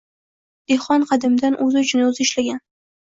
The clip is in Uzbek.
Dehqon qadimdan o‘zi uchun o‘zi ishlagan.